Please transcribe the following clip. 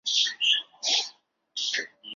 今日该区内之商业区块又常被称为信义商圈。